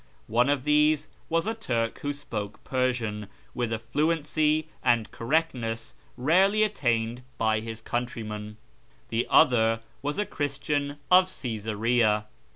One of these was a Turk who spoke Persian with a fluency and correctness rarely attained by his coun trymen ; the other was a Christian of Csesarea.